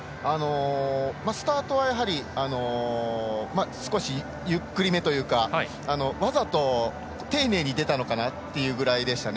スタートはやはり少しゆっくりめというか、わざと丁寧に出たのかなというぐらいでしたね。